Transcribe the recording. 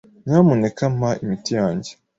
Nyamuneka mpa imiti yanjye.